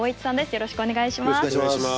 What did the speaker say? よろしくお願いします。